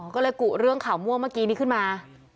ก็เลยกุเรื่องข่าวมั่วเมื่อกี้นี้ขึ้นมา